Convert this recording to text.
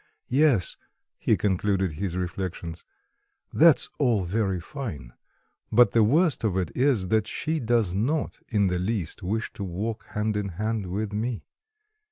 Yes," he concluded his reflections, "that's all very fine, but the worst of it is that she does not in the least wish to walk hand in hand with me.